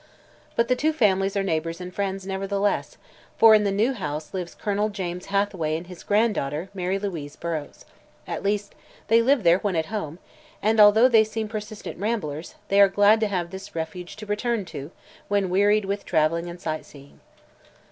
But the two families are neighbors and friends nevertheless, for in the new house lives Colonel James Hathaway and his granddaughter Mary Louise Burrows. At least, they live there when at home and, although they seem persistent ramblers, they are glad to have this refuge to return to when wearied with traveling and sight seeing.